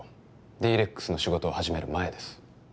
Ｄ−ＲＥＸの仕事を始める前です